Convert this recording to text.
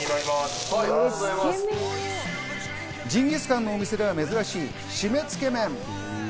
ジンギスカンのお店では珍しい、シメつけ麺。